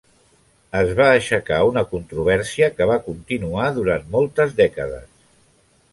Es va aixecar una controvèrsia que va continuar durant moltes dècades.